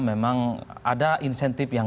memang ada insentif yang